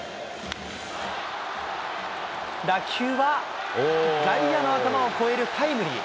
打球は外野の頭を越えるタイムリー。